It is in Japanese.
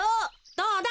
どうだ？